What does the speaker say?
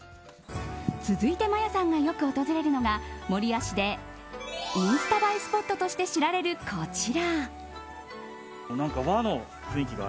続いて、マヤさんがよく訪れるのが、守谷市でインスタ映えスポットとして知られる、こちら。